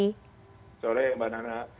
selamat sore mbak nana